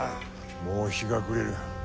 もう日が暮れる。